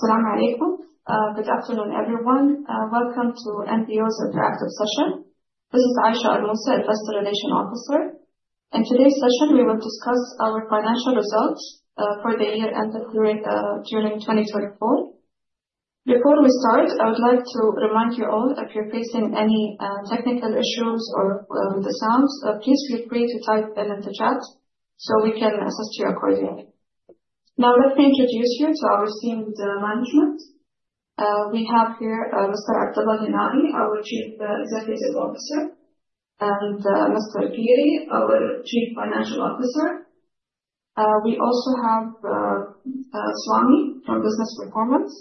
Salaam Alaikum. Good afternoon, everyone. Welcome to NBO's Interactive Session. This is Aisha Al Moosa, Investor Relations Officer. In today's session, we will discuss our financial results for the year ended during 2024. Before we start, I would like to remind you all, if you're facing any technical issues or the sounds, please feel free to type in the chat so we can assist you accordingly. Now, let me introduce you to our esteemed management. We have here Mr. Abdullah Al Hinai, our Chief Executive Officer, and Mr. Girish Ganesan, our Chief Financial Officer. We also have Swami from Business Performance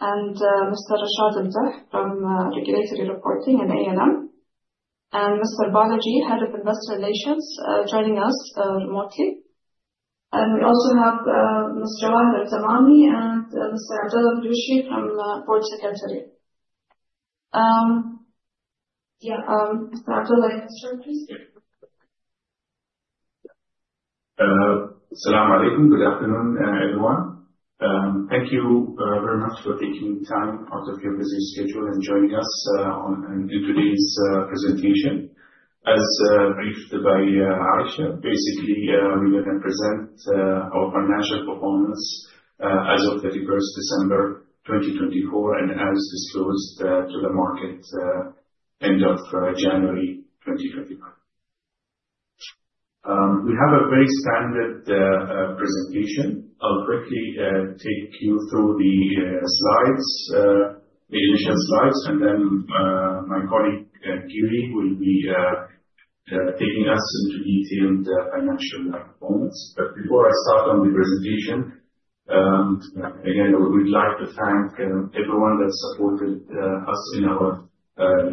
and Mr. Rashad Al Sheikh from Regulatory Reporting and ALM, and Mr. Balaji, Head of Investor Relations, joining us remotely, and we also have Mr. Wahid Al Balushi and Mr. Abdullah Al Balushi from Board Secretary. Yeah, Mr. Abdullah, please. Salaam Alaikum. Good afternoon, everyone. Thank you very much for taking time out of your busy schedule and joining us in today's presentation. As briefed by Aisha, basically, we are going to present our financial performance as of 31st December 2024 and as disclosed to the market end of January 2025. We have a very standard presentation. I'll quickly take you through the slides, the initial slides, and then my colleague Girish will be taking us into detailed financial performance. But before I start on the presentation, again, I would like to thank everyone that supported us in our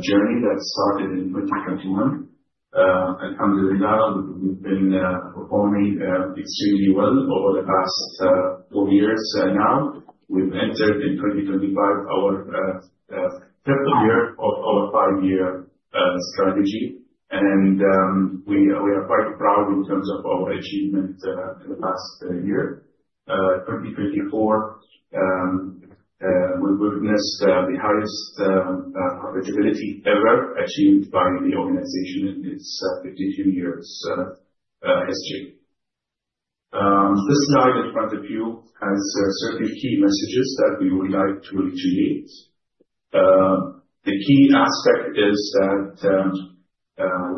journey that started in 2021. Alhamdulillah, we've been performing extremely well over the past four years now. We've entered in 2025 our fifth year of our five-year strategy, and we are quite proud in terms of our achievement in the past year. 2024, we witnessed the highest profitability ever achieved by the organization in its 52 years history. This slide in front of you has certain key messages that we would like to relate. The key aspect is that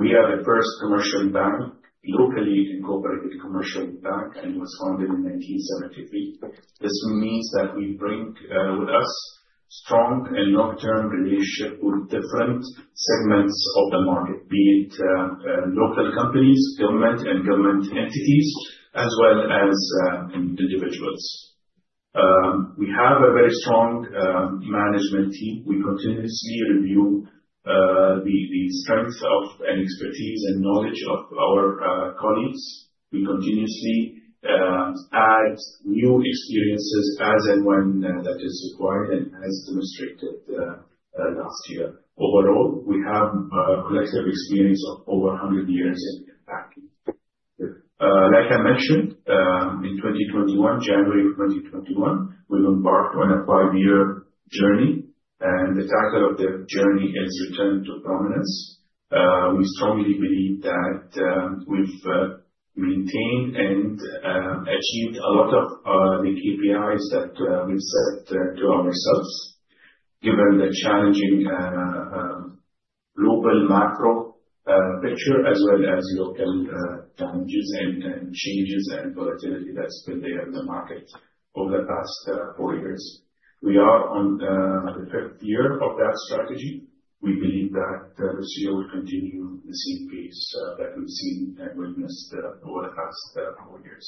we are the first commercial bank, locally incorporated commercial bank, and it was founded in 1973. This means that we bring with us strong and long-term relationships with different segments of the market, be it local companies, government and government entities, as well as individuals. We have a very strong management team. We continuously review the strengths of and expertise and knowledge of our colleagues. We continuously add new experiences as and when that is required and as demonstrated last year. Overall, we have a collective experience of over 100 years in banking. Like I mentioned, in 2021, January 2021, we embarked on a five-year journey, and the title of the journey is Return to Prominence. We strongly believe that we've maintained and achieved a lot of the KPIs that we've set to ourselves, given the challenging global macro picture, as well as local challenges and changes and volatility that's been there in the market over the past four years. We are on the fifth year of that strategy. We believe that we'll continue the same pace that we've seen and witnessed over the past four years.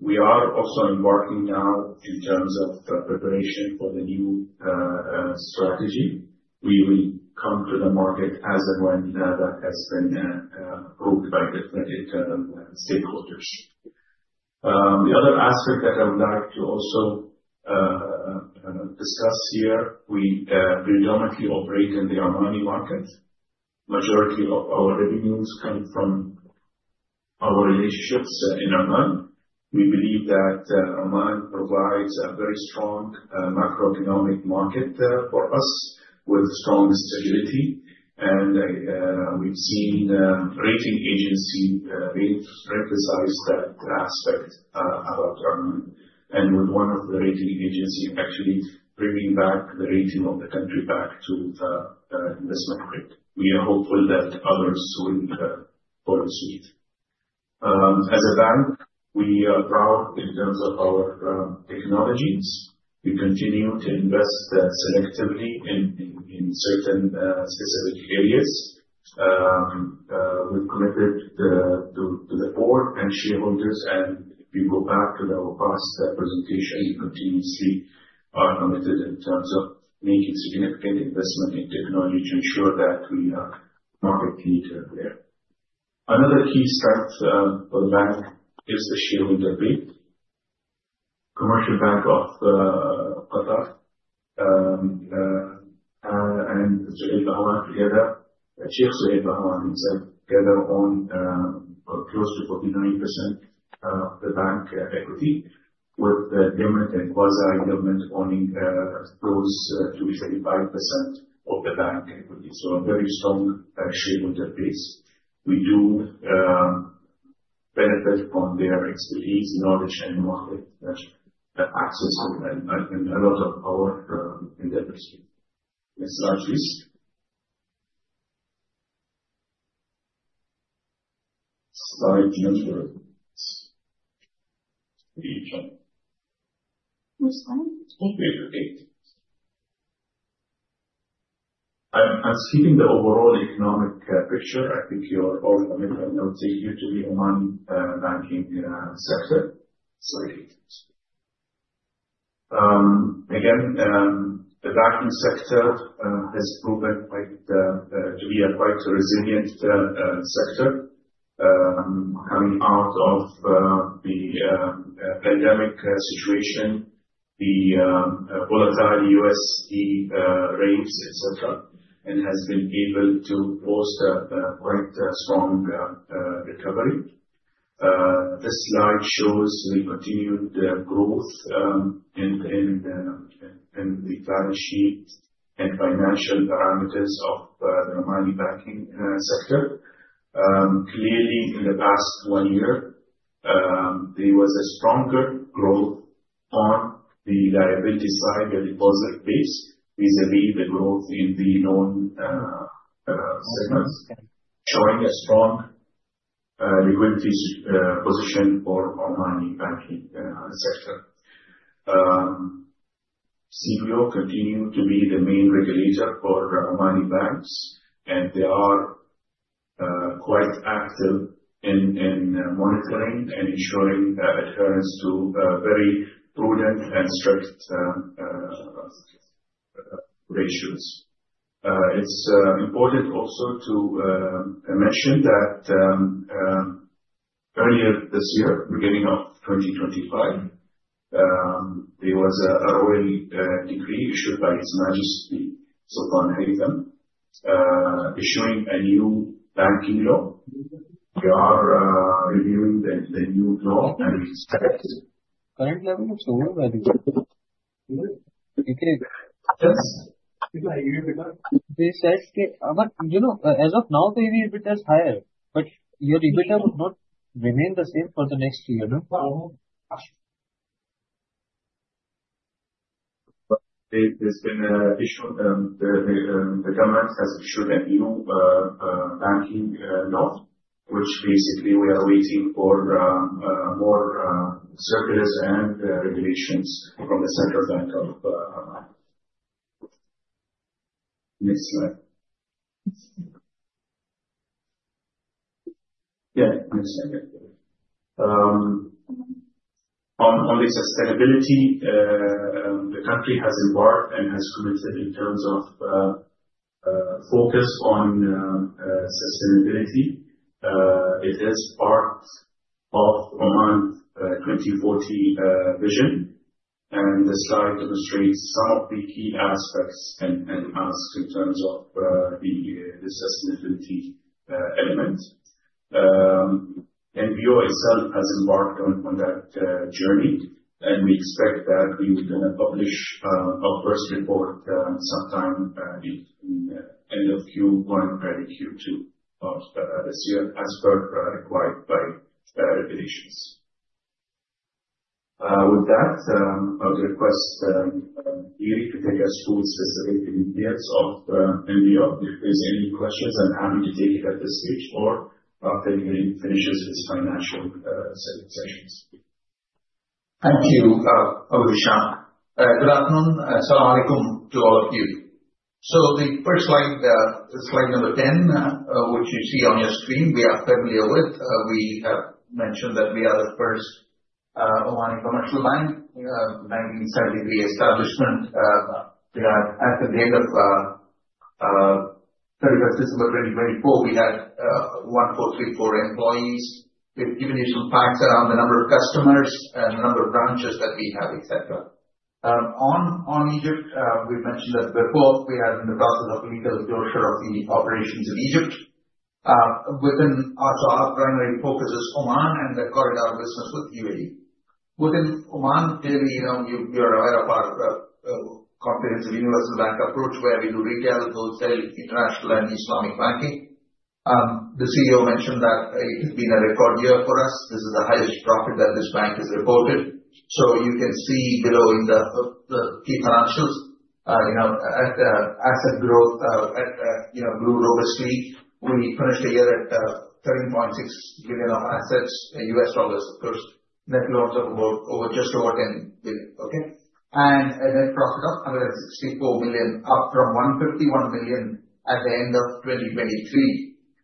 We are also embarking now in terms of preparation for the new strategy. We will come to the market as and when that has been approved by different internal stakeholders. The other aspect that I would like to also discuss here, we predominantly operate in the Omani market. The majority of our revenues come from our relationships in Oman. We believe that Oman provides a very strong macroeconomic market for us with strong stability, and we've seen rating agencies really emphasize that aspect about Oman, and with one of the rating agencies actually bringing back the rating of the country back to investment grade. We are hopeful that others will follow suit. As a bank, we are proud in terms of our technologies. We continue to invest selectively in certain specific areas. We've committed to the board and shareholders, and if you go back to our past presentation, we continuously are committed in terms of making significant investment in technology to ensure that we are market leader there. Another key strength for the bank is the shareholder rate. Commercial Bank of Qatar and Mr. Suhail Bahwan together, Sheikh Suhail Bahwan, he said together own close to 49% of the bank equity, with government and quasi-government owning close to 35% of the bank equity. So a very strong shareholder base. We do benefit from their expertise, knowledge, and market access, and a lot of power in that respect. Next slide, please. Slide number three. I'm skipping the overall economic picture. I think you're all familiar and I would say here to the Oman banking sector. Again, the banking sector has proven to be a quite resilient sector coming out of the pandemic situation, the volatile USD rates, etc., and has been able to post a quite strong recovery. This slide shows the continued growth in the financial parameters of the Omani banking sector. Clearly, in the past one year, there was a stronger growth on the liability side and deposit base, vis-à-vis the growth in the loan segment, showing a strong liquidity position for the Omani banking sector. CBO continued to be the main regulator for Omani banks, and they are quite active in monitoring and ensuring adherence to very prudent and strict ratios. It's important also to mention that earlier this year, beginning of 2025, there was a royal decree issued by His Majesty Sultan Haitham issuing a new banking law. We are reviewing the new law and. Correct? Correct level of the oil value. Yes. Yes. They said that as of now, the rebate is higher, but your rebate would not remain the same for the next year. There's been an issue. The government has issued a new banking law, which basically we are waiting for more circulars and regulations from the Central Bank of Oman. Next slide. Yeah, next slide. On the sustainability, the country has embarked and has committed in terms of focus on sustainability. It is part of Oman's 2040 vision, and the slide demonstrates some of the key aspects and asks in terms of the sustainability element. NBO itself has embarked on that journey, and we expect that we will publish our first report sometime in the end of Q1, early Q2 of this year, as per required by regulations. With that, I would request Girish to take us through specific details of NBO. If there's any questions, I'm happy to take it at this stage or after Girish finishes his financial sessions. Thank you, Aisha. Good afternoon. Salaam Alaikum to all of you. So the first slide, slide number 10, which you see on your screen, we are familiar with. We have mentioned that we are the first Omani commercial bank, 1973 establishment. At the end of 31st December 2024, we had 1434 employees. We've given you some facts around the number of customers and the number of branches that we have, etc. On Egypt, we've mentioned that before. We are in the process of legal closure of the operations in Egypt. Our primary focus is Oman and the corridor business with UAE. Within Oman, clearly, you're aware of our comprehensive universal bank approach where we do retail, wholesale, international, and Islamic banking. The CEO mentioned that it has been a record year for us. This is the highest profit that this bank has reported. You can see below in the key financials, asset growth grew robustly. We finished the year at $30.6 billion of assets, US dollars, of course. Net loans of just over $10 billion. Okay. And net profit of $164 million, up from $151 million at the end of 2023.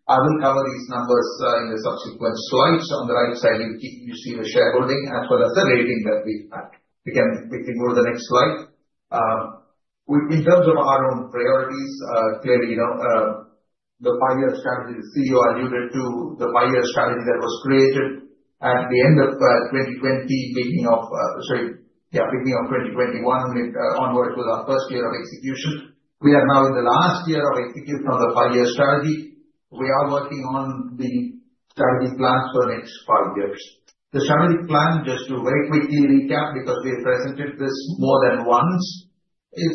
I will cover these numbers in the subsequent slides. On the right side, you see the shareholding as well as the rating that we've had. We can quickly move to the next slide. In terms of our own priorities, clearly, the five-year strategy, the CEO alluded to the five-year strategy that was created at the end of 2020, beginning of, sorry, yeah, beginning of 2021 onwards was our first year of execution. We are now in the last year of execution of the five-year strategy. We are working on the strategy plans for the next five years. The strategy plan, just to very quickly recap because we have presented this more than once, is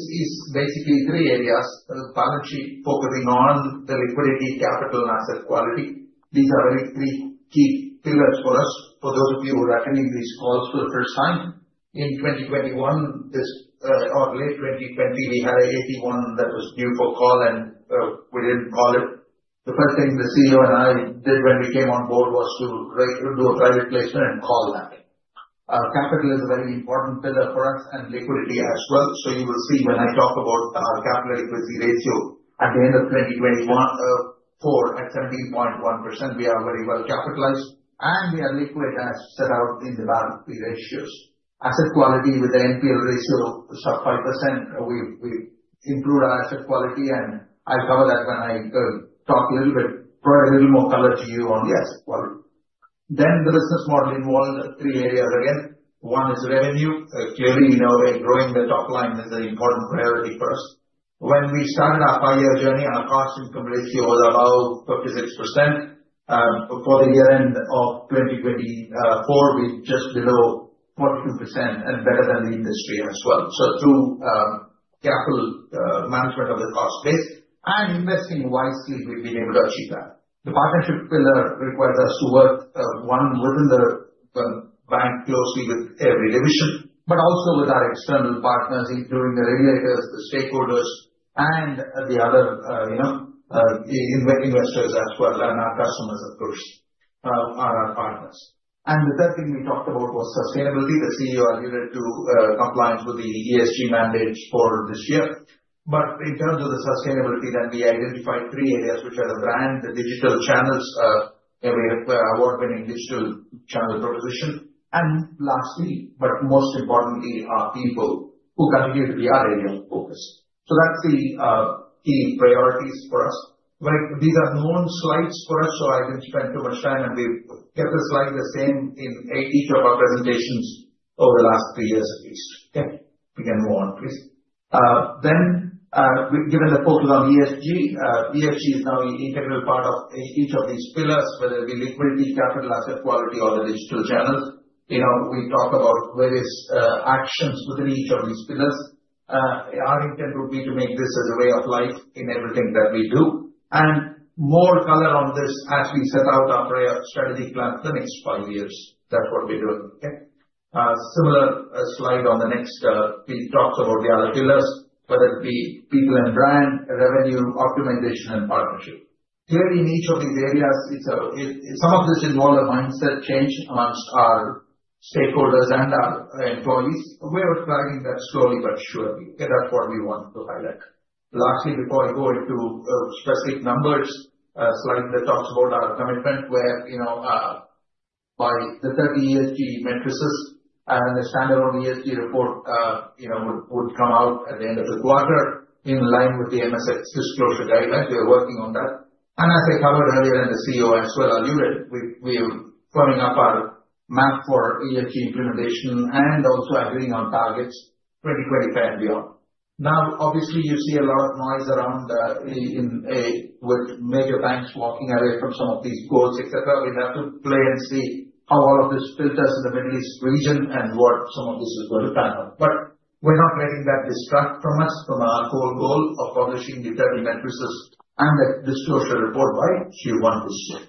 basically three areas: balance sheet, focusing on the liquidity, capital, and asset quality. These are very three key pillars for us. For those of you who are attending these calls for the first time, in 2021 or late 2020, we had an AT1 that was due for call, and we didn't call it. The first thing the CEO and I did when we came on board was to do a private placement and call that. Capital is a very important pillar for us and liquidity as well. So you will see when I talk about our CET1 ratio at the end of 2021 Q4 at 17.1%, we are very well capitalized, and we are liquid as set out in the balance sheet ratios. Asset quality with the NPL ratio sub 5%, we've improved our asset quality, and I'll cover that when I talk a little bit, provide a little more color to you on the asset quality. Then the business model involved three areas again. One is revenue. Clearly, we know that growing the top line is an important priority for us. When we started our five-year journey, our cost-income ratio was about 36%. For the year end of 2024, we're just below 42% and better than the industry as well. So through capital management of the cost base and investing wisely, we've been able to achieve that. The partnership pillar requires us to work, one, within the bank closely with every division, but also with our external partners, including the regulators, the stakeholders, and the other investors as well. And our customers, of course, are our partners. The third thing we talked about was sustainability. The CEO alluded to compliance with the ESG mandates for this year. In terms of the sustainability, then we identified three areas, which are the brand, the digital channels, and we have award-winning digital channel proposition. Lastly, but most importantly, our people who continue to be our area of focus. That's the key priorities for us. These are known slides for us, so I didn't spend too much time, and we've kept the slides the same in each of our presentations over the last three years at least. Okay. We can move on, please. Given the focus on ESG, ESG is now an integral part of each of these pillars, whether it be liquidity, capital, asset quality, or the digital channels. We talk about various actions within each of these pillars. Our intent would be to make this as a way of life in everything that we do and more color on this as we set out our strategy plan for the next five years. That's what we're doing. Okay. Similar slide on the next, we talked about the other pillars, whether it be people and brand, revenue, optimization, and partnership. Clearly, in each of these areas, some of this involved a mindset change among our stakeholders and our employees. We are driving that slowly but surely. Okay. That's what we wanted to highlight. Lastly, before I go into specific numbers, slide that talks about our commitment whereby the 30 ESG metrics and the standalone ESG report would come out at the end of the quarter in line with the MSX disclosure guidelines. We are working on that. As I covered earlier, and the CEO as well alluded, we are firming up our map for ESG implementation and also agreeing on targets 2025 and beyond. Now, obviously, you see a lot of noise around with major banks walking away from some of these goals, etc. We'd love to play and see how all of this filters in the Middle East region and what some of this is going to pan out. We're not letting that distract from us, from our whole goal of publishing the 30 metrics and the disclosure report by Q1 this year.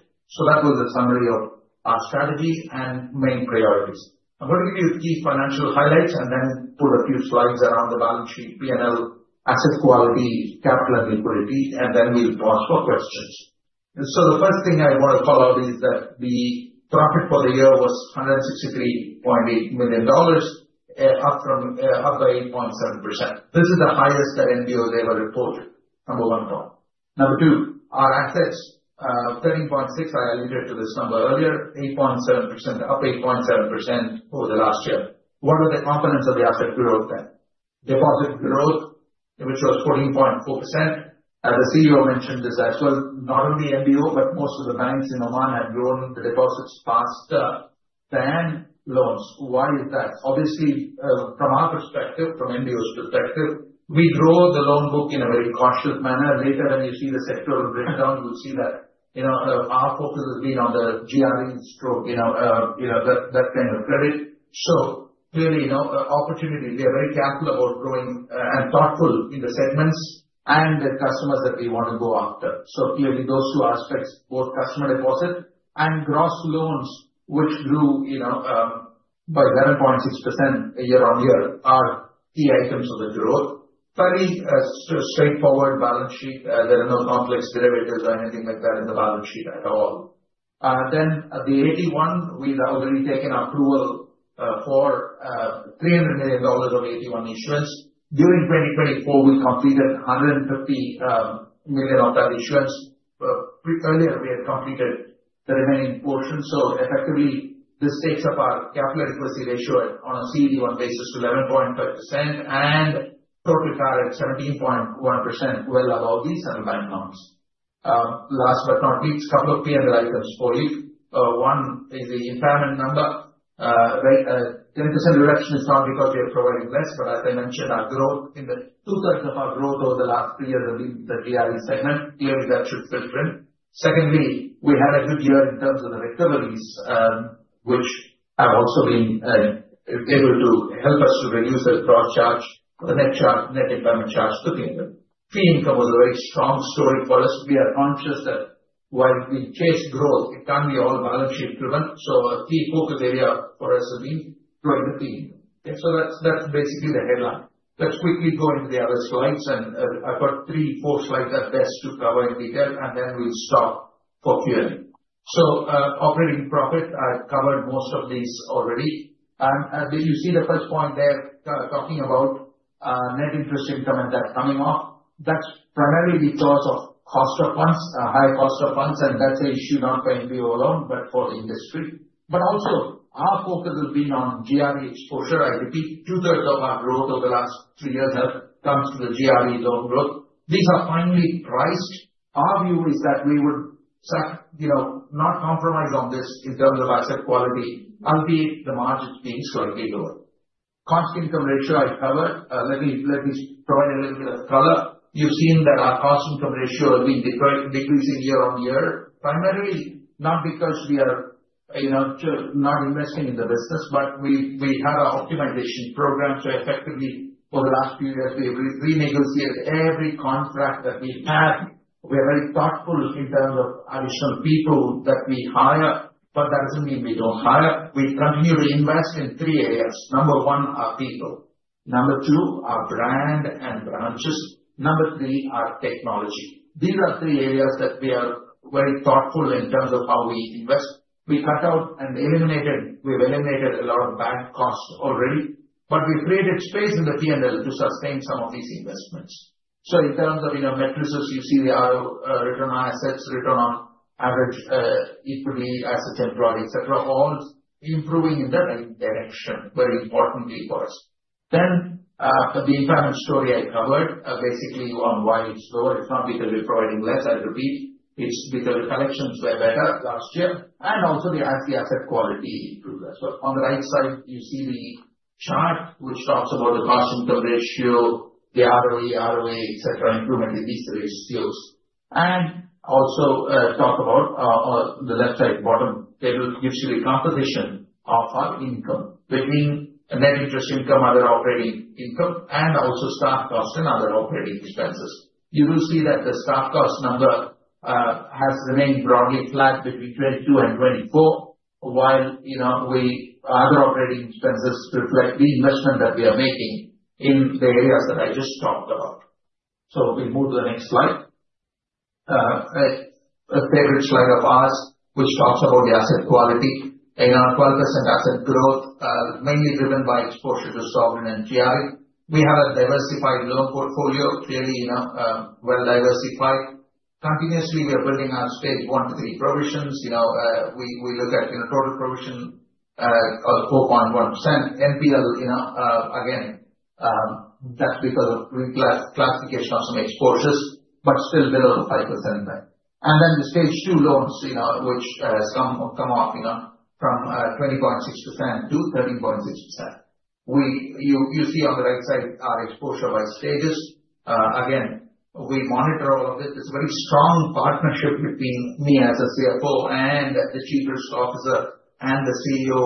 That was the summary of our strategy and main priorities. I'm going to give you key financial highlights and then put a few slides around the balance sheet, P&L, asset quality, capital, and liquidity, and then we'll pause for questions. The first thing I want to call out is that the profit for the year was $163.8 million, up by 8.7%. This is the highest that NBO's ever reported. Number one point. Number two, our assets, 13.6, I alluded to this number earlier, 8.7%, up 8.7% over the last year. What are the components of the asset growth then? Deposit growth, which was 14.4%. The CEO mentioned this as well. Not only NBO, but most of the banks in Oman have grown the deposits faster than loans. Why is that? Obviously, from our perspective, from NBO's perspective, we grow the loan book in a very cautious manner. Later, when you see the sectoral breakdown, you'll see that our focus has been on the GRE sector, that kind of credit. So clearly, opportunities, we are very careful about growing and thoughtful in the segments and the customers that we want to go after. So clearly, those two aspects, both customer deposit and gross loans, which grew by 7.6% year on year, are key items of the growth. Fairly straightforward balance sheet. There are no complex derivatives or anything like that in the balance sheet at all. Then the AT1, we've already taken approval for $300 million of AT1 issuance. During 2024, we completed $150 million of that issuance. Earlier, we had completed the remaining portion. So effectively, this takes our capital adequacy ratio on a CET1 basis to 11.5% and total capital at 17.1%, well above the central bank limits. Last but not least, a couple of P&L items for you. One is the impairment number. 10% reduction is not because we are providing less, but as I mentioned, our growth in the two-thirds of our growth over the last three years has been the GRE segment. Clearly, that should filter in. Secondly, we had a good year in terms of the recoveries, which have also been able to help us to reduce the broad charge, the net charge, net impairment charge to P&L. Fee income was a very strong story for us. We are conscious that while we chase growth, it can't be all balance sheet driven. So a key focus area for us has been growing the fee income. Okay. So that's basically the headline. Let's quickly go into the other slides, and I've got three, four slides at best to cover in detail, and then we'll stop for Q&A. So operating profit, I've covered most of these already. You see the first point there talking about net interest income and that coming off. That's primarily because of cost of funds, high cost of funds, and that's an issue not for NBO alone, but for the industry. But also, our focus has been on GRE exposure. I repeat, two-thirds of our growth over the last three years have come through the GRE loan growth. These are finally priced. Our view is that we would not compromise on this in terms of asset quality, albeit the margin being slightly lower. Cost income ratio, I've covered. Let me provide a little bit of color. You've seen that our cost income ratio has been decreasing year on year, primarily not because we are not investing in the business, but we had our optimization program. So effectively, over the last few years, we have renegotiated every contract that we've had. We are very thoughtful in terms of additional people that we hire, but that doesn't mean we don't hire. We continue to invest in three areas. Number one, our people. Number two, our brand and branches. Number three, our technology. These are three areas that we are very thoughtful in terms of how we invest. We cut out and eliminated. We've eliminated a lot of bank cost already, but we've created space in the P&L to sustain some of these investments. So in terms of metrics, you see the return on assets, return on average equity, asset quality, etc., all improving in the right direction, very importantly for us. Then the impairment story I covered basically on why it's lower. It's not because we're providing less, I repeat. It's because the collections were better last year, and also the asset quality improved as well. On the right side, you see the chart, which talks about the cost-to-income ratio, the ROE, ROA, etc., improvement in these three skills and also talk about the left side bottom table gives you the composition of our income between net interest income, other operating income, and also staff costs and other operating expenses. You will see that the staff cost number has remained broadly flat between 22 and 24, while other operating expenses reflect the investment that we are making in the areas that I just talked about so we'll move to the next slide. A favorite slide of ours, which talks about the asset quality. In our 12% asset growth, mainly driven by exposure to sovereign and GRE, we have a diversified loan portfolio, clearly well-diversified. Continuously, we are building our Stage 1 to 3 provisions. We look at total provision of 4.1%. NPL, again, that's because of reclassification of some exposures, but still below the 5% line, and then the Stage 2 loans, which some have come off from 20.6% to 13.6%. You see on the right side our exposure by Stages. Again, we monitor all of it. It's a very strong partnership between me as a CFO and the Chief Risk Officer and the CEO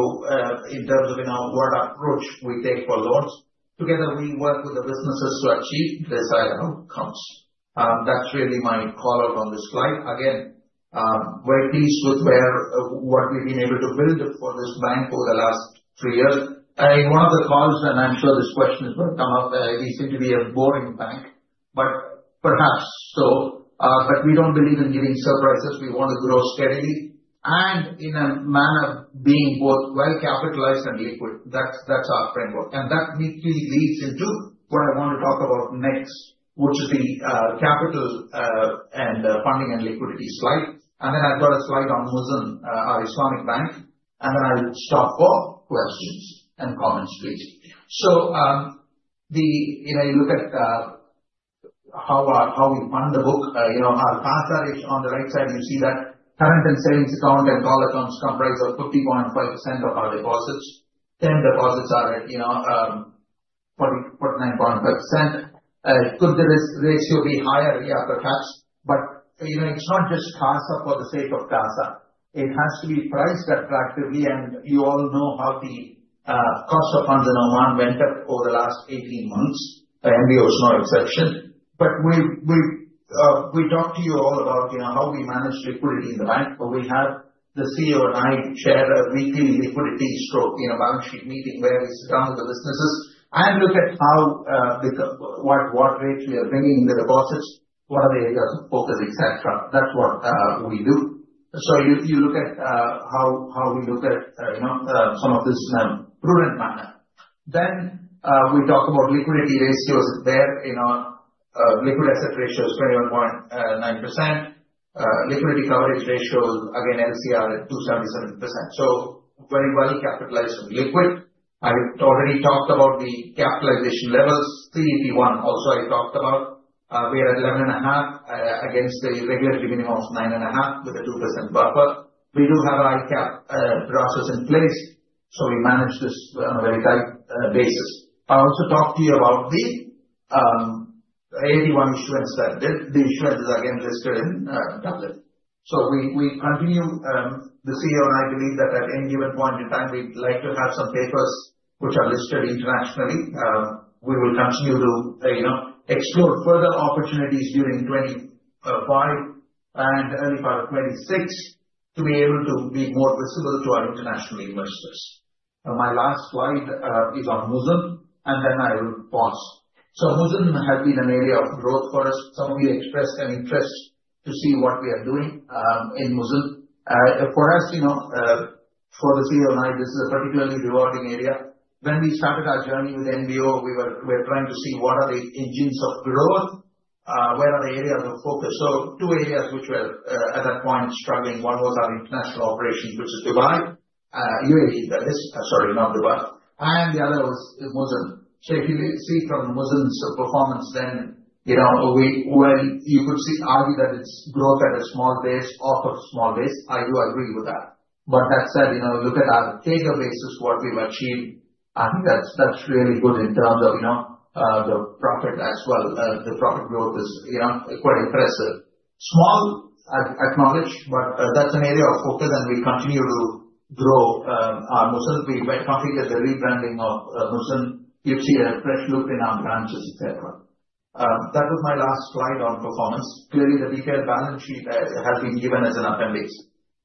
in terms of what approach we take for loans. Together, we work with the businesses to achieve desired outcomes. That's really my call out on this slide. Again, very pleased with what we've been able to build for this bank over the last three years. In one of the calls, and I'm sure this question is going to come up, you seem to be a boring bank, but perhaps so, but we don't believe in giving surprises. We want to grow steadily and in a manner being both well-capitalized and liquid. That's our framework. And that neatly leads into what I want to talk about next, which is the capital and funding and liquidity slide. And then I've got a slide on Muzn, our Islamic Bank. And then I'll stop for questions and comments, please. So you look at how we fund the book. Our panel on the right side, you see that current and savings account and call accounts comprise of 50.5% of our deposits. Time deposits are at 49.5%. Could the ratio be higher? Yeah, perhaps. But it's not just CASA for the sake of CASA. It has to be priced attractively. And you all know how the cost of funds in Oman went up over the last 18 months. NBO is no exception. But we talk to you all about how we manage liquidity in the bank. We have the CEO and I share a weekly liquidity stress in a balance sheet meeting where we sit down with the businesses and look at what rate we are bringing in the deposits, what are the areas of focus, etc. That's what we do. So you look at how we look at some of this in a prudent manner. Then we talk about liquidity ratios there. Liquid asset ratio is 21.9%. Liquidity coverage ratio, again, LCR at 277%. So very well-capitalized and liquid. I already talked about the capitalization levels. The CET1 also I talked about. We are at 11.5 against the regulatory minimum of 9.5 with a 2% buffer. We do have ICAAP in place, so we manage this on a very tight basis. I also talked to you about the AT1 issuance that did. The issuance is again listed in Dublin so we continue. The CEO and I believe that at any given point in time, we'd like to have some papers which are listed internationally. We will continue to explore further opportunities during 2025 and early part of 2026 to be able to be more visible to our international investors. My last slide is on Muzn, and then I will pause. Muzn has been an area of growth for us. Some of you expressed an interest to see what we are doing in Muzn. For us, for the CEO and I, this is a particularly rewarding area. When we started our journey with NBO, we were trying to see what are the engines of growth, where are the areas of focus so two areas which were at that point struggling. One was our international operations, which is Dubai. You already did that. Sorry, not Dubai, and the other was Muzn. So if you see from Muzn's performance, then you could argue that it's growth at a small pace, off a small base. I do agree with that, but that said, look at our database, what we've achieved. I think that's really good in terms of the profit as well. The profit growth is quite impressive. Small, I acknowledge, but that's an area of focus, and we continue to grow our Muzn. We've completed the rebranding of Muzn. You've seen a fresh look in our branches, etc. That was my last slide on performance. Clearly, the detailed balance sheet has been given as an appendix.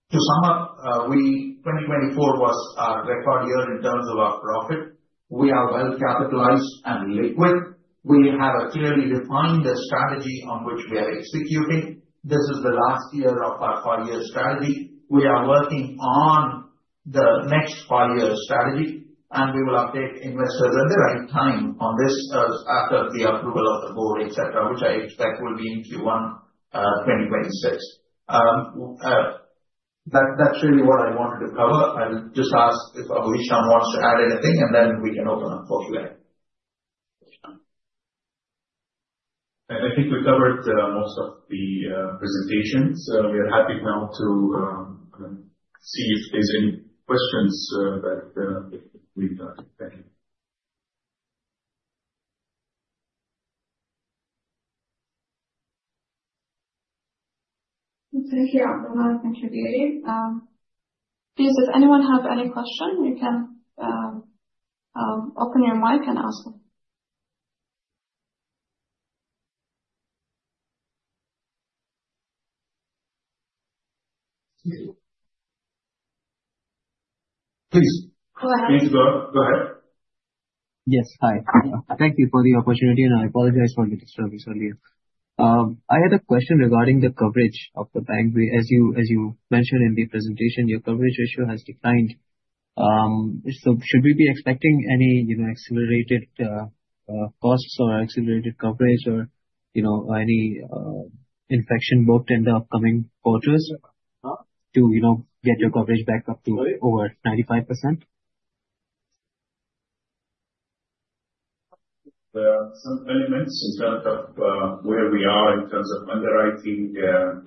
To sum up, 2024 was our record year in terms of our profit. We are well-capitalized and liquid. We have a clearly defined strategy on which we are executing. This is the last year of our five-year strategy. We are working on the next five-year strategy, and we will update investors at the right time on this after the approval of the board, etc., which I expect will be in Q1 2026. That's really what I wanted to cover. I'll just ask if Aisha wants to add anything, and then we can open up for Q&A. I think we covered most of the presentations. We are happy now to see if there's any questions that we've gotten. Thank you. Thank you, Abdullah, for contributing. Please, does anyone have any question? You can open your mic and ask. Please. Go ahead. Please go ahead. Yes. Hi. Thank you for the opportunity, and I apologize for the disturbance earlier. I had a question regarding the coverage of the bank. As you mentioned in the presentation, your coverage ratio has declined. So should we be expecting any accelerated costs or accelerated coverage or any provision booked in the upcoming quarters to get your coverage back up to over 95%? Some elements in terms of where we are in terms of underwriting and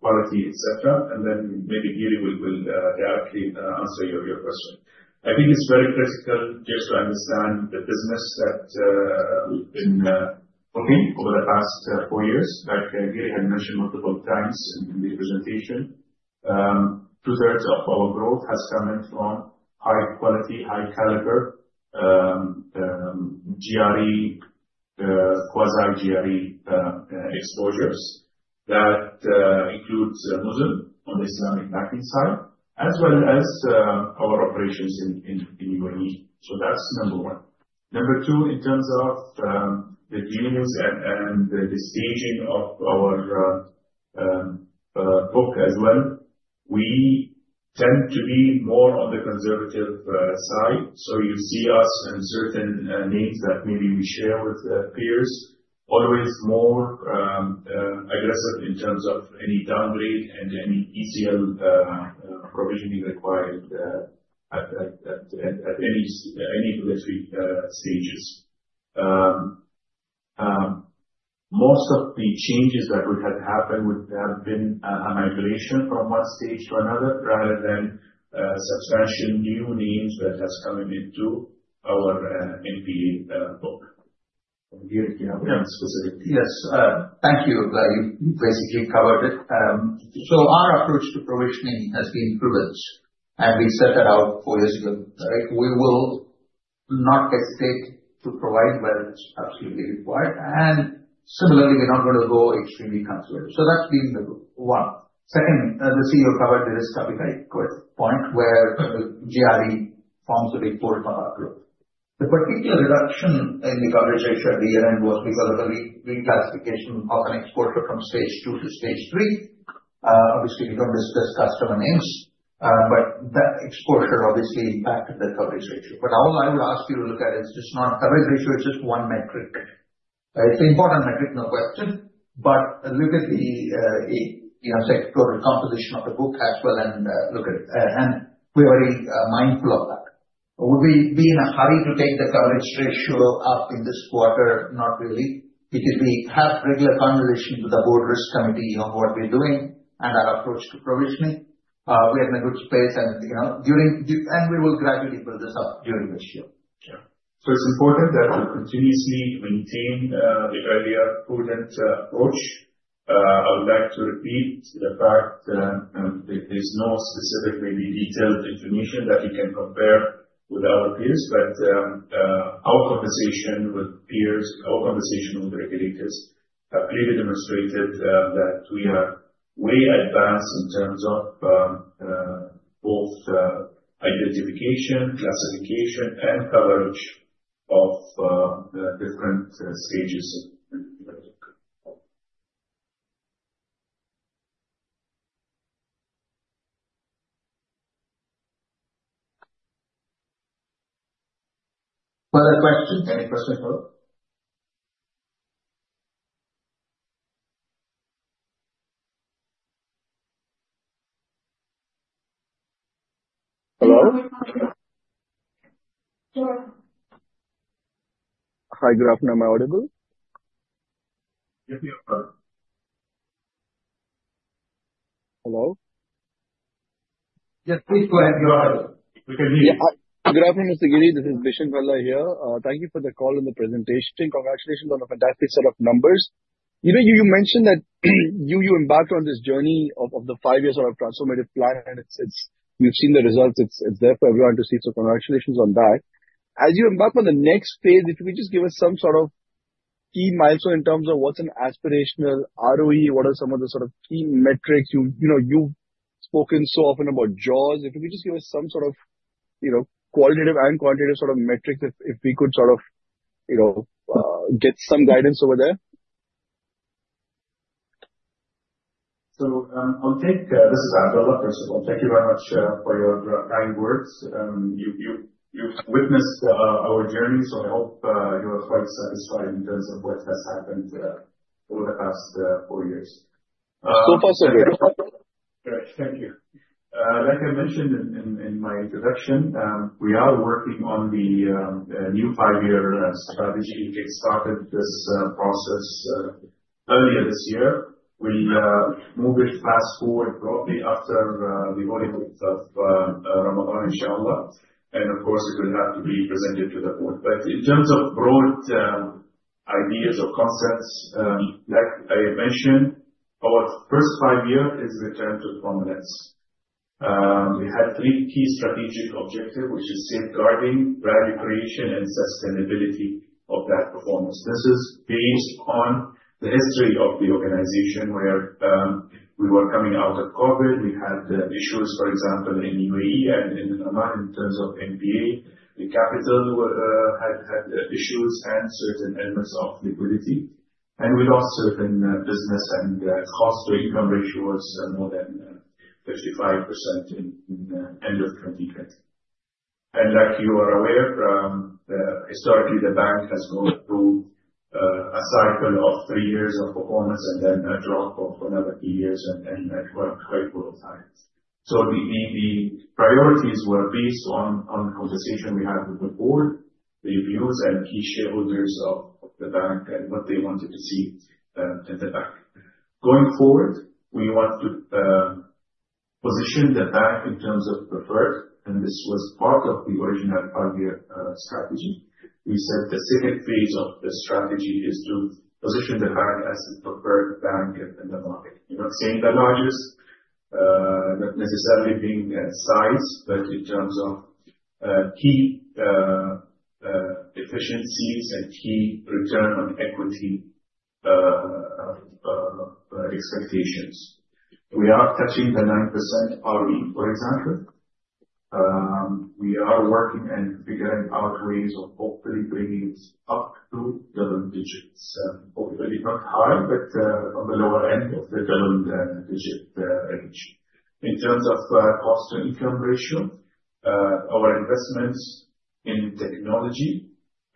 quality, etc. And then maybe Girish will directly answer your question. I think it's very critical just to understand the business that we've been working over the past four years that Girish had mentioned multiple times in the presentation. Two-thirds of our growth has come in from high quality, high-caliber GRE, quasi-GRE exposures that includes Muzn on the Islamic Banking side, as well as our operations in UAE. So that's number one. Number two, in terms of the deals and the staging of our book as well, we tend to be more on the conservative side. So you see us and certain names that maybe we share with peers, always more aggressive in terms of any downgrade and any ECL provisioning required at any early stages. Most of the changes that would have happened would have been a migration from one stage to another rather than substantial new names that have come into our NPA book. Girish, do you have any specific? Yes. Thank you. You basically covered it. So our approach to provisioning has been prudence, and we set that out four years ago. We will not hesitate to provision where it's absolutely required. And similarly, we're not going to go extremely conservative. So that's been the tone. Second, the CEO covered this topic at an earlier point where the GRE forms a big part for our group. The particular reduction in the coverage ratio at the end was because of the reclassification of an exposure from Stage 2 to Stage 3. Obviously, we don't discuss customer names, but that exposure obviously impacted the coverage ratio. But all I would ask you to look at is just not coverage ratio, it's just one metric. It's an important metric, no question. But look at the sectoral composition of the book as well and look at it. And we're very mindful of that. Would we be in a hurry to take the coverage ratio up in this quarter? Not really. Because we have regular conversations with the Board Risk Committee on what we're doing and our approach to provisioning. We're in a good space. And we will gradually build this up during this year. Sure. So it's important that we continuously maintain a prudent approach. I would like to repeat the fact that there's no specifically detailed information that you can compare with our peers, but our conversation with peers, our conversation with regulators clearly demonstrated that we are way advanced in terms of both identification, classification, and coverage of different stages of the book. Other questions? Any questions at all? Hello? Hi. Graham, am I audible? Yes, you're fine. Hello? Yes, please go ahead. You're audible. We can hear you. Yeah. Graham, Mr. Girish, this is Bishan Valla here. Thank you for the call and the presentation. Congratulations on a fantastic set of numbers. You mentioned that you embarked on this journey of the five years of a transformative plan. You've seen the results. It's there for everyone to see. So congratulations on that. As you embark on the next phase, if you could just give us some sort of key milestone in terms of what's an aspirational ROE, what are some of the sort of key metrics? You've spoken so often about jaws. If you could just give us some sort of qualitative and quantitative sort of metrics, if we could sort of get some guidance over there. So I'll take this as an umbrella, first of all. Thank you very much for your kind words. You've witnessed our journey, so I hope you are quite satisfied in terms of what has happened over the past four years. So far, so good. Great. Thank you. Like I mentioned in my introduction, we are working on the new five-year strategy. We started this process earlier this year. We moved it fast forward probably after the holidays of Ramadan, inshallah. Of course, it will have to be presented to the board. But in terms of broad ideas or concepts, like I mentioned, our first five years is Return to Prominence. We had three key strategic objectives, which are safeguarding, brand creation, and sustainability of that performance. This is based on the history of the organization where we were coming out of COVID. We had issues, for example, in UAE and in Oman in terms of NBO. The capital had issues and certain elements of liquidity. We lost certain business and cost-to-income ratios more than 55% in the end of 2020. Like you are aware, historically, the bank has gone through a cycle of three years of performance and then a drop of another three years, and it worked quite well at times. So the priorities were based on the conversation we had with the board, the views, and key shareholders of the bank and what they wanted to see in the bank. Going forward, we want to position the bank in terms of preferred, and this was part of the original five-year strategy. We said the second phase of the strategy is to position the bank as the preferred bank in the market. I'm not saying the largest, not necessarily being size, but in terms of key efficiencies and key return on equity expectations. We are touching the 9% ROE, for example. We are working and figuring out ways of hopefully bringing it up to double digits. Hopefully not high, but on the lower end of the double digit range. In terms of cost-to-income ratio, our investments in technology,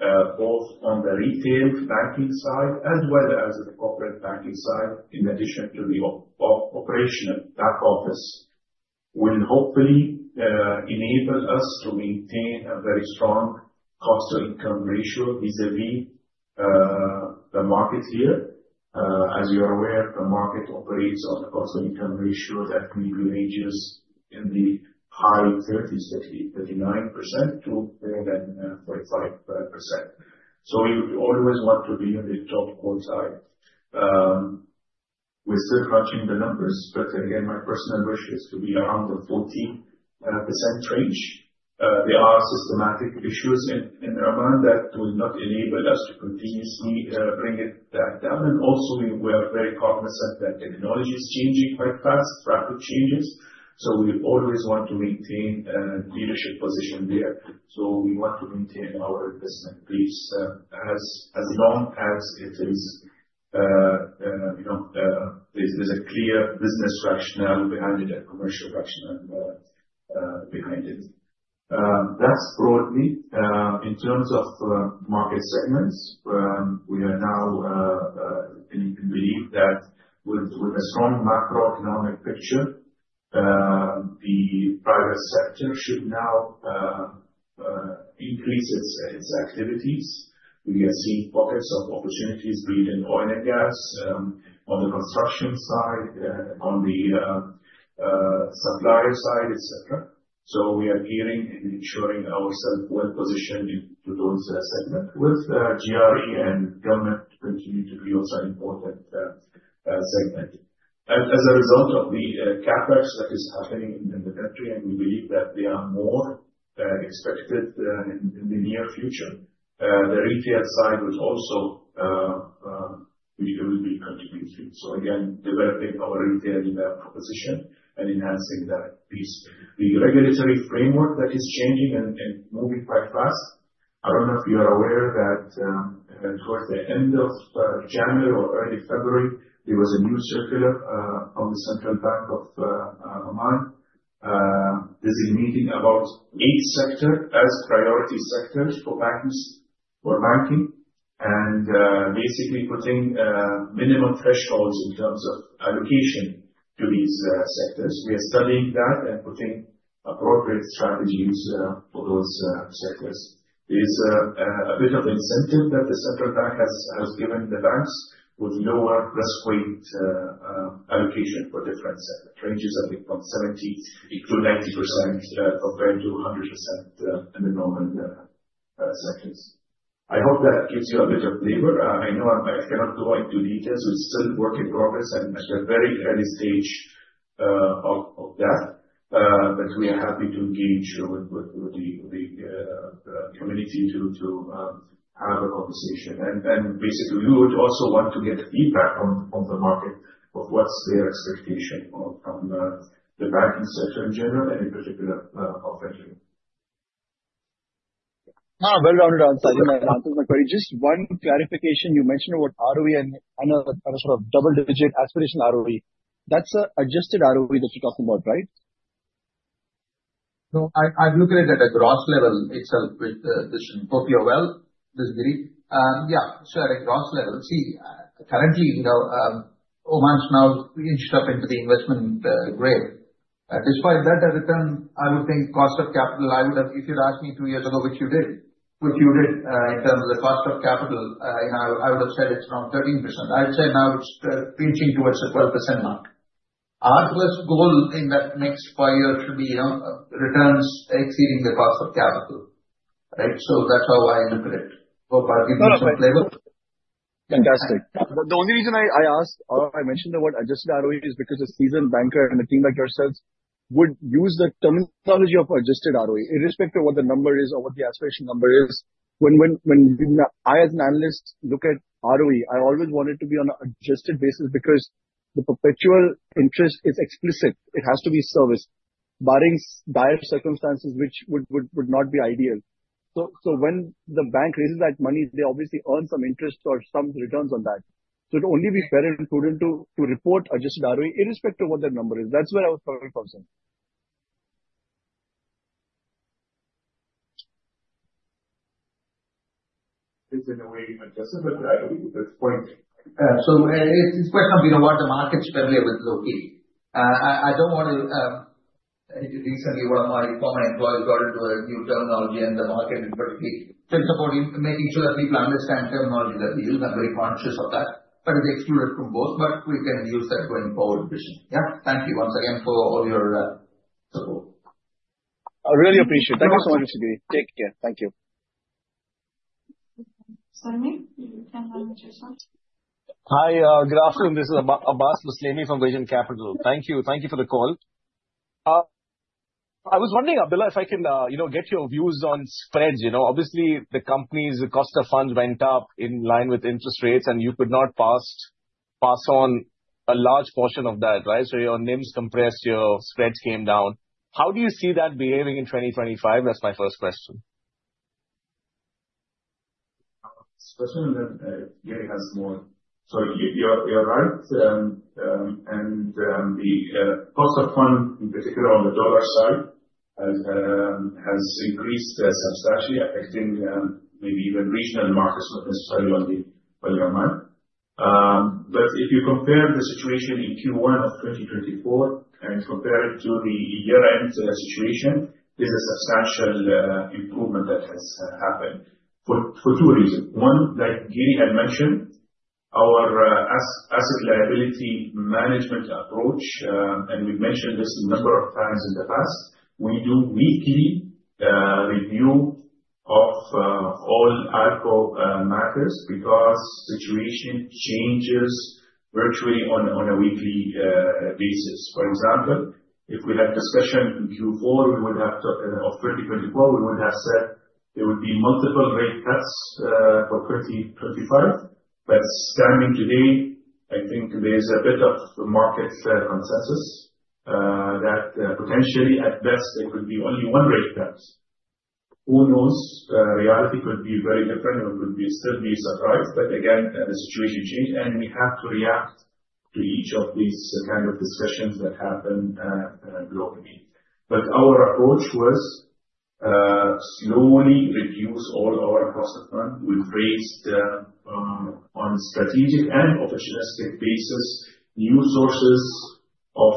both on the retail banking side as well as the corporate banking side, in addition to the operational back office, will hopefully enable us to maintain a very strong cost-to-income ratio vis-à-vis the market here. As you're aware, the market operates on a cost-to-income ratio that maybe ranges in the high 30s, 39% to more than 45%. So we always want to be in the top quartile. We're still crunching the numbers, but again, my personal wish is to be around the 40% range. There are systematic issues in Oman that will not enable us to continuously bring it back down. And also, we are very cognizant that technology is changing quite fast, rapid changes. So we always want to maintain a leadership position there. So we want to maintain our investment base as long as there's a clear business rationale behind it and commercial rationale behind it. That's broadly. In terms of market segments, we are now believing that with a strong macroeconomic picture, the private sector should now increase its activities. We are seeing pockets of opportunities being in oil and gas, on the construction side, on the supplier side, etc. So we are gearing and ensuring ourselves well-positioned into those segments with GRE and government continuing to be also an important segment. As a result of the CapEx that is happening in the country, and we believe that there are more expected in the near future, the retail side will also be continued. So again, developing our retail proposition and enhancing that piece. The regulatory framework that is changing and moving quite fast. I don't know if you are aware that towards the end of January or early February, there was a new circular from the Central Bank of Oman designating about eight sectors as priority sectors for banking and basically putting minimum thresholds in terms of allocation to these sectors. We are studying that and putting appropriate strategies for those sectors. There's a bit of incentive that the Central Bank has given the banks with lower risk-weight allocation for different sectors, ranges I think from 70%-90% compared to 100% in the normal sectors. I hope that gives you a bit of flavor. I know I cannot go into details. It's still a work in progress and at a very early stage of that, but we are happy to engage with the community to have a conversation. And basically, we would also want to get feedback from the market of what's their expectation from the banking sector in general and in particular of retail. Well rounded out. Just one clarification. You mentioned about ROE and a sort of double-digit aspirational ROE. That's an adjusted ROE that you're talking about, right? No, I've looked at it at a gross level itself, which hopefully you're well, Ms. Girish. Yeah. So at a gross level, see, currently, Oman's now inched up into the investment grade. Despite that, I would think cost of capital, if you'd asked me two years ago, which you did, which you did in terms of the cost of capital, I would have said it's around 13%. I'd say now it's reaching towards the 12% mark. Our first goal in that next five years should be returns exceeding the cost of capital. Right? So that's how I look at it. Hope I've given you some flavor. Fantastic. The only reason I asked or I mentioned the word adjusted ROE is because a seasoned banker and a team like yourselves would use the terminology of adjusted ROE, irrespective of what the number is or what the aspiration number is. When I, as an analyst, look at ROE, I always want it to be on an adjusted basis because the perpetual interest is explicit. It has to be serviced, barring dire circumstances which would not be ideal. So when the bank raises that money, they obviously earn some interest or some returns on that. So it would only be better and prudent to report adjusted ROE irrespective of what the number is. That's where I was probably focusing. I t's in a way adjusted, but I think it's pointing. So it's a question of what the market's familiar with, okay? I don't want to recently, one of my former employees got into a new terminology and the market in particular. So it's about making sure that people understand terminology that we use. I'm very conscious of that. But it's excluded from both, but we can use that going forward. Yeah. Thank you once again for all your support. I really appreciate it. Thank you so much, Mr. Girish. Take care. Thank you. Hi, good afternoon. This is Abbas Al Lawati from Vision Capital. Thank you. Thank you for the call. I was wondering, Abdullah, if I can get your views on spreads. Obviously, the company's cost of funds went up in line with interest rates, and you could not pass on a large portion of that, right? So your NIMs compressed, your spreads came down. How do you see that behaving in 2025? That's my first question. This question really has more. So you're right. And the cost of funds, in particular on the dollar side, has increased substantially, affecting maybe even regional markets not necessarily only in Oman. But if you compare the situation in Q1 of 2024 and compare it to the year-end situation, there's a substantial improvement that has happened for two reasons. One, like Girish had mentioned, our asset liability management approach, and we've mentioned this a number of times in the past, we do weekly review of all ICAAP matters because the situation changes virtually on a weekly basis. For example, if we had discussion in Q4, we would have talked of 2024, we would have said there would be multiple rate cuts for 2025. But standing today, I think there's a bit of market consensus that potentially, at best, there could be only one rate cut. Who knows? Reality could be very different or could still be surprised. But again, the situation changed, and we have to react to each of these kinds of discussions that happen globally. But our approach was slowly reduce all our cost of fund. We've raised on a strategic and opportunistic basis new sources of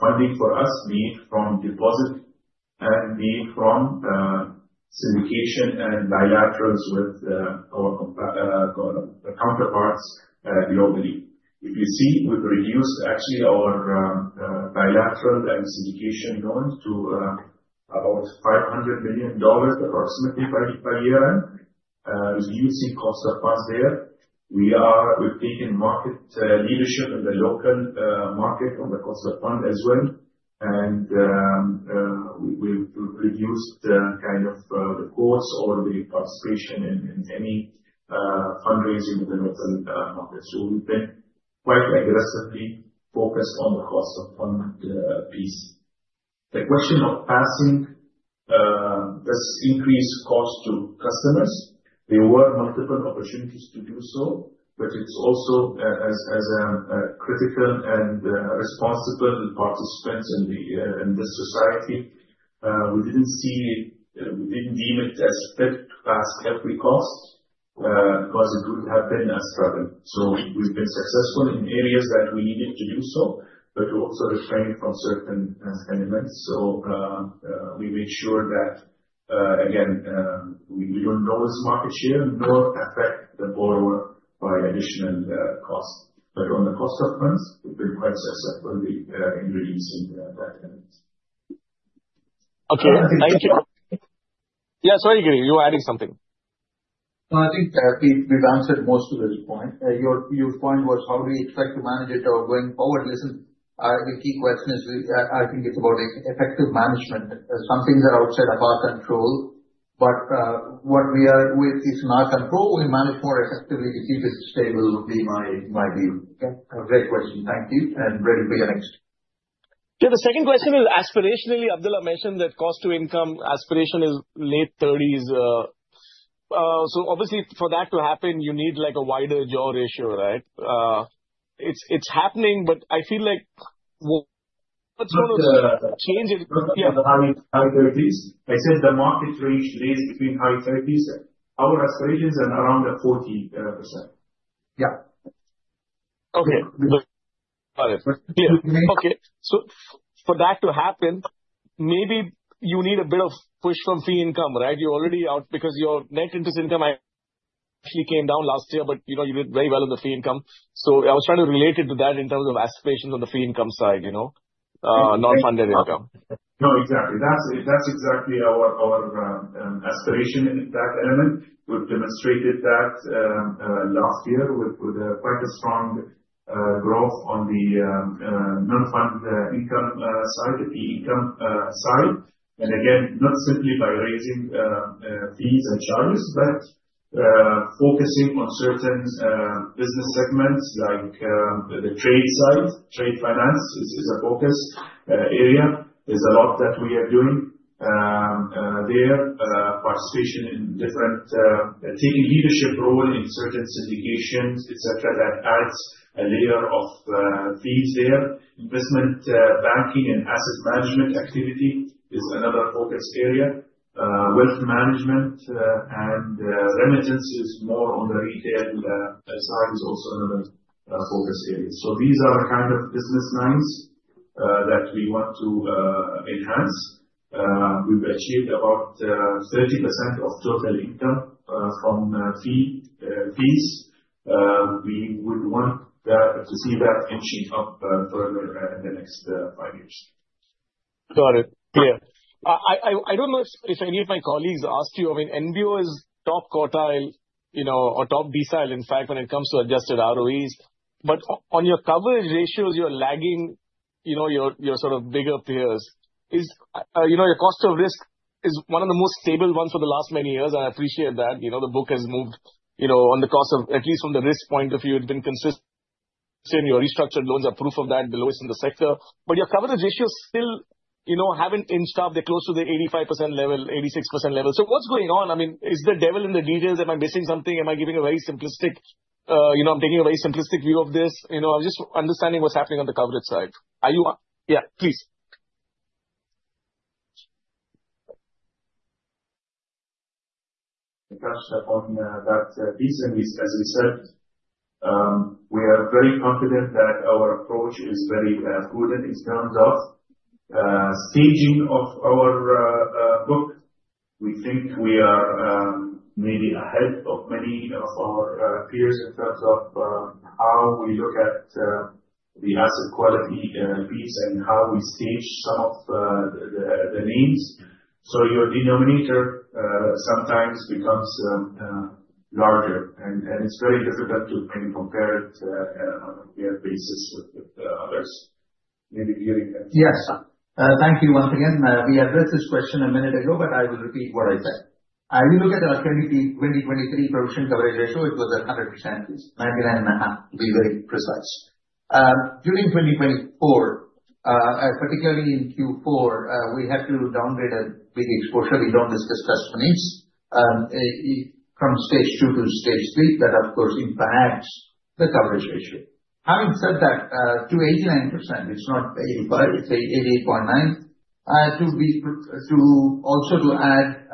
funding for us, being from deposit and being from syndication and bilaterals with our counterparts globally. If you see, we've reduced actually our bilateral and syndication loans to about $500 million approximately by year-end. Reducing cost of funds there. We've taken market leadership in the local market on the cost of fund as well. And we've reduced kind of the quotes or the participation in any fundraising in the local market. So we've been quite aggressively focused on the cost of fund piece. The question of passing this increased cost to customers, there were multiple opportunities to do so, but it's also as a critical and responsible participant in this society. We didn't deem it as fit to pass every cost because it would have been a struggle. So we've been successful in areas that we needed to do so, but also refrained from certain elements. So we made sure that, again, we don't lose market share nor affect the borrower by additional cost. But on the cost of funds, we've been quite successful in reducing that element. Okay. Thank you. Yeah. Sorry, Girish. You were adding something. No, I think we've answered most of the point. Your point was how do we expect to manage it going forward? Listen, the key question is, I think it's about effective management. Some things are outside of our control, but what we are with is in our control. We manage more effectively to keep it stable would be my view. Okay? Great question. Thank you. And ready for your next. Yeah. The second question is aspirationally, Abdullah mentioned that cost-to-income aspiration is late 30s%. So obviously, for that to happen, you need a wider NIM, right? It's happening, but I feel like what's going to change it? Yeah. High 30s%. I said the market range lies between high 30s% and our aspirations and around the 40%. Yeah. Okay. Got it. Yeah. Okay. So for that to happen, maybe you need a bit of push from fee income, right? You're already out because your net interest income actually came down last year, but you did very well on the fee income. So I was trying to relate it to that in terms of aspirations on the fee income side, non-funded income. No, exactly. That's exactly our aspiration in that element. We've demonstrated that last year with quite a strong growth on the non-fund income side, the fee income side. And again, not simply by raising fees and charges, but focusing on certain business segments like the trade side. Trade finance is a focus area. There's a lot that we are doing there. Participation in different taking leadership role in certain syndications, etc., that adds a layer of fees there. Investment banking and asset management activity is another focus area. Wealth management and remittances more on the retail side is also another focus area. So these are the kind of business lines that we want to enhance. We've achieved about 30% of total income from fees. We would want to see that inching up further in the next five years. Got it. Yeah. I don't know if any of my colleagues asked you. I mean, NBO is top quartile or top decile, in fact, when it comes to adjusted ROEs. But on your coverage ratios, you're lagging your sort of bigger peers. Your cost of risk is one of the most stable ones for the last many years. I appreciate that. The book has moved on the cost of, at least from the risk point of view, it's been consistent. And your restructured loans are proof of that, the lowest in the sector. But your coverage ratios still haven't inched up. They're close to the 85% level, 86% level. So what's going on? I mean, is the devil in the details? Am I missing something? Am I giving a very simplistic? I'm taking a very simplistic view of this. I'm just understanding what's happening on the coverage side. Yeah, please. Just on that piece, and as we said, we are very confident that our approach is very prudent in terms of staging of our book. We think we are maybe ahead of many of our peers in terms of how we look at the asset quality piece and how we stage some of the names. So your denominator sometimes becomes larger, and it's very difficult to maybe compare it on a year basis with others. Maybe Girish, that's fine. Yes. Thank you once again. We addressed this question a minute ago, but I will repeat what I said. If you look at our 2023 provision coverage ratio, it was 100%, 99.5, to be very precise. During 2024, particularly in Q4, we had to downgrade a big exposure. We don't discuss transitions from Stage 2 to Stage 3. That, of course, impacts the coverage ratio. Having said that, to 89%, it's not 85, it's 88.9. To also add,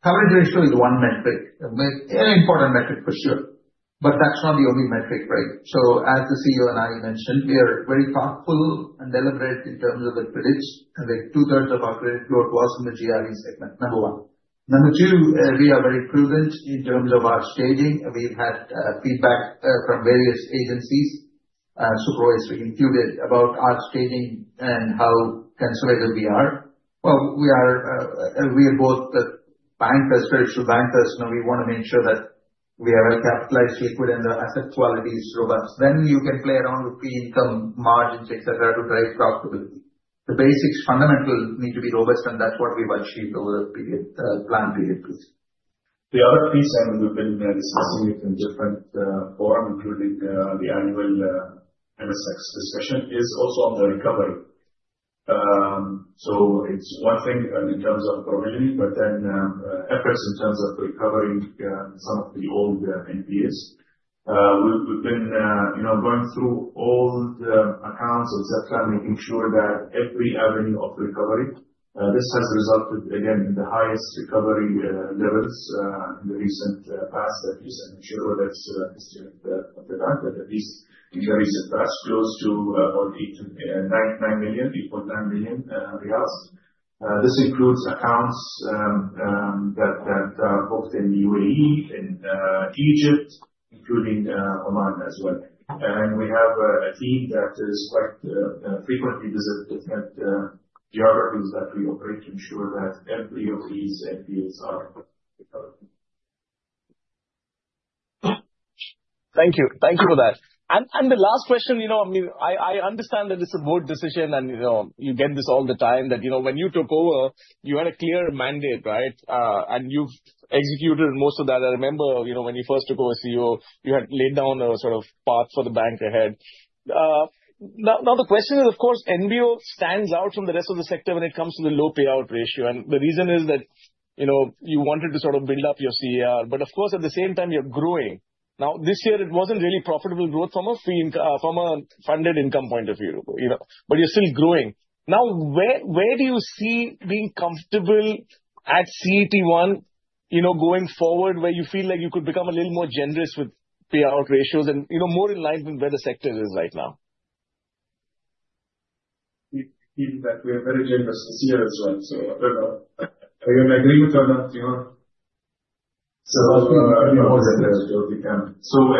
coverage ratio is one metric, an important metric for sure. But that's not the only metric, right? So as the CEO and I mentioned, we are very thoughtful and deliberate in terms of the credits. Two-thirds of our credit growth was in the GRE segment, number one. Number two, we are very prudent in terms of our staging. We've had feedback from various agencies, supervisory included, about our staging and how conservative we are. We are both banker-spirited bankers. We want to make sure that we are well-capitalized, liquid, and the asset quality is robust. Then you can play around with fee income margins, etc., to drive profitability. The basics, fundamentals need to be robust, and that's what we've achieved over the planned period, please. The other piece that we've been discussing it in different forums, including the annual MSX discussion, is also on the recovery. So it's one thing in terms of provisioning, but then efforts in terms of recovering some of the old NPAs. We've been going through all the accounts except for making sure that every avenue of recovery. This has resulted, again, in the highest recovery levels in the recent past, at least. I'm not sure whether it's the history of the bank, but at least in the recent past, close to about OMR nine million, OMR 9.9 million rials. This includes accounts that are booked in the UAE, in Egypt, including Oman as well. We have a team that is quite frequently visiting different geographies that we operate to ensure that every of these NPAs are recovered. Thank you. Thank you for that. The last question, I mean, I understand that it's a board decision, and you get this all the time that when you took over, you had a clear mandate, right? You've executed most of that. I remember when you first took over CEO, you had laid down a sort of path for the bank ahead. Now, the question is, of course, NBO stands out from the rest of the sector when it comes to the low payout ratio. The reason is that you wanted to sort of build up your CET1. But of course, at the same time, you're growing. Now, this year, it wasn't really profitable growth from a funded income point of view. But you're still growing. Now, where do you see being comfortable at CET1 going forward, where you feel like you could become a little more generous with payout ratios and more in line with where the sector is right now? We are very generous this year as well. So I don't know. Are you in agreement or not? So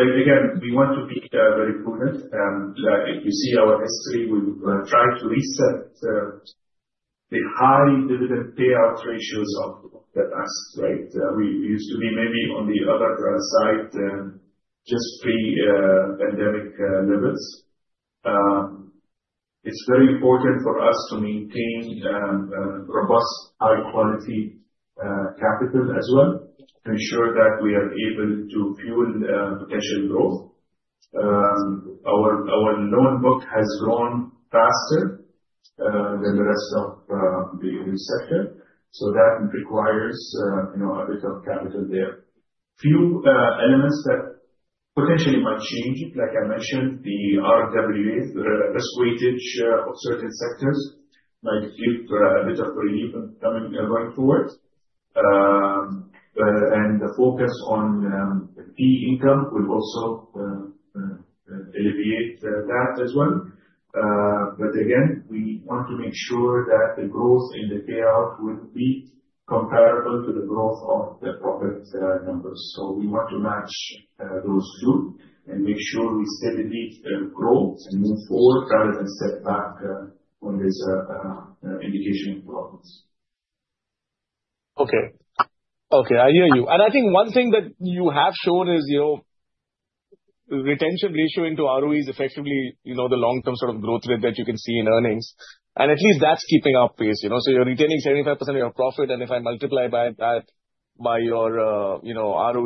again, we want to be very prudent. If you see our history, we will try to reset the high dividend payout ratios of the past, right? We used to be maybe on the other side, just pre-pandemic levels. It's very important for us to maintain robust, high-quality capital as well to ensure that we are able to fuel potential growth. Our loan book has grown faster than the rest of the sector. So that requires a bit of capital there. Few elements that potentially might change, like I mentioned, the RWA, the risk weights of certain sectors might give a bit of relief going forward. And the focus on fee income would also alleviate that as well. But again, we want to make sure that the growth in the payout would be comparable to the growth of the profit numbers. So we want to match those two and make sure we steadily grow and move forward rather than step back when there's an indication of growth. Okay. Okay. I hear you. And I think one thing that you have shown is retention ratio into ROE is effectively the long-term sort of growth rate that you can see in earnings. And at least that's keeping pace. So you're retaining 75% of your profit. And if I multiply by that by your ROE,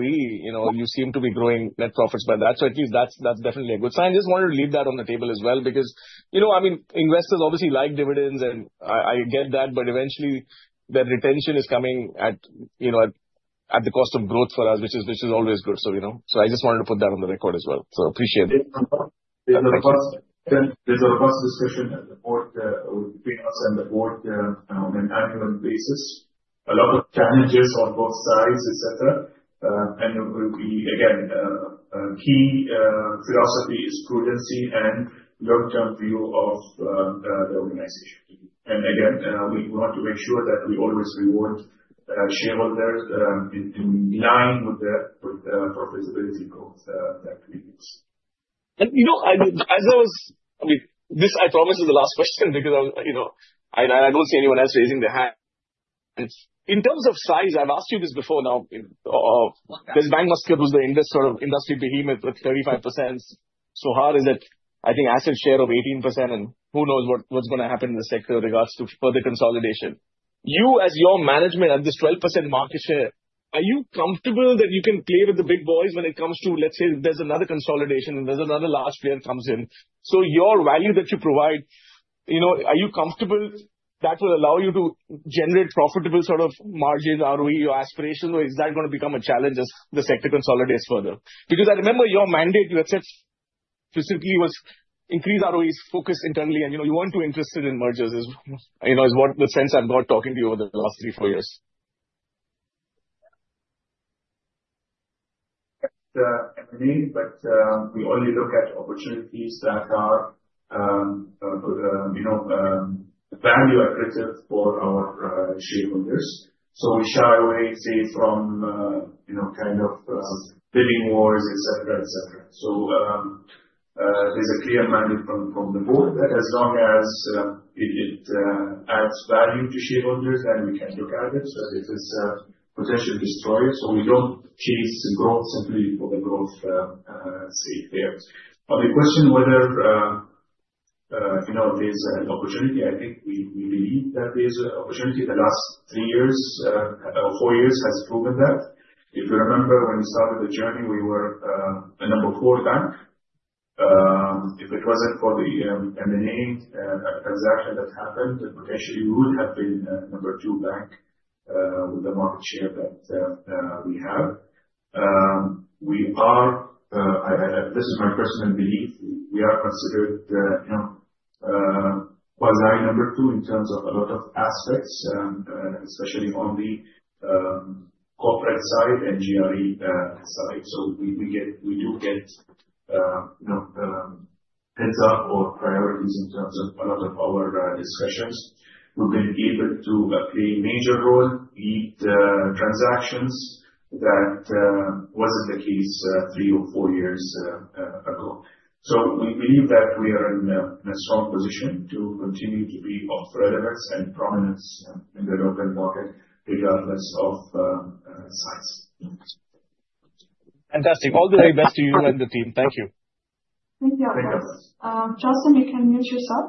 you seem to be growing net profits by that. So at least that's definitely a good sign. Just wanted to leave that on the table as well because, I mean, investors obviously like dividends, and I get that. But eventually, that retention is coming at the cost of growth for us, which is always good. So I just wanted to put that on the record as well. So appreciate it. There's a robust discussion at the board between us and the board on an annual basis. A lot of challenges on both sides, etc. And again, key philosophy is prudency and long-term view of the organization. And again, we want to make sure that we always reward shareholders in line with the profitability growth that we fix. And as I was, I mean, this I promised is the last question because I don't see anyone else raising their hand. In terms of size, I've asked you this before now. There's Bank Muscat, who's the sort of industry behemoth with 35%. Sohar is at, I think asset share of 18%. And who knows what's going to happen in the sector in regards to further consolidation. You, as your management, at this 12% market share, are you comfortable that you can play with the big boys when it comes to, let's say, there's another consolidation and there's another large player comes in? So your value that you provide, are you comfortable that will allow you to generate profitable sort of margins, ROE, your aspirations? Or is that going to become a challenge as the sector consolidates further? Because I remember your mandate, you had said specifically was increase ROEs, focus internally. And you weren't too interested in mergers is what the sense I've got talking to you over the last three, four years. At NBO, but we only look at opportunities that are value-attractive for our shareholders. So we shy away, say, from kind of bidding wars, etc., etc. So there's a clear mandate from the board that as long as it adds value to shareholders, then we can look at it. But if it's a potential destroyer, so we don't chase growth simply for the growth sake there. On the question whether there's an opportunity, I think we believe that there's an opportunity. The last three years, four years has proven that. If you remember when we started the journey, we were a number four bank. If it wasn't for the M&A transaction that happened, potentially we would have been a number two bank with the market share that we have. We are, this is my personal belief, we are considered quasi number two in terms of a lot of aspects, especially on the corporate side and GRE side. So we do get heads-up or priorities in terms of a lot of our discussions. We've been able to play a major role, lead transactions that wasn't the case three or four years ago. So we believe that we are in a strong position to continue to be of relevance and prominence in the local market regardless of size. Fantastic. All the very best to you and the team. Thank you. Thank you. Thank you. Justin, you can mute yourself.